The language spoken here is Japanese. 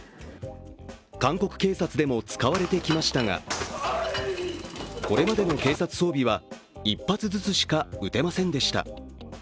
韓国警察でも使われてきましたがこれまでの警察装備は一発ずつしか撃てませんでした。